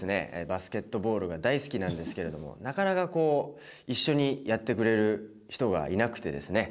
バスケットボールが大好きなんですけれどもなかなかこう一緒にやってくれる人がいなくてですね